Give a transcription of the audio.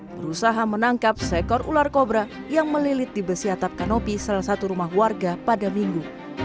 berusaha menangkap seekor ular kobra yang melilit di besi atap kanopi salah satu rumah warga pada minggu